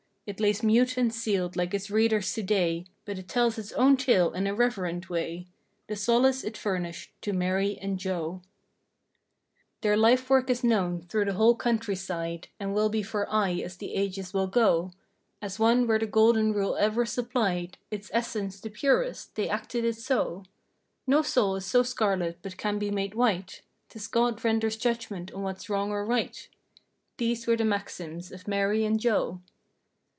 It lays mute and sealed like its readers today— But it tells its own tale in a reverent way; The solace it furnished to "Mary and Joe." Their life work is known through the whole country side, And will be for aye as the ages will go As one where the Golden Rule ever supplied Its essence the purest. They acted it so. "No soul is so scarlet but can be made white." " 'Tis God renders judgment on what's wrong or right—" These were the maxims of "Mary and Joe."